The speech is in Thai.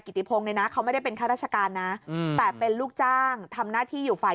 ติพงศ์เนี่ยนะเขาไม่ได้เป็นข้าราชการนะแต่เป็นลูกจ้างทำหน้าที่อยู่ฝ่าย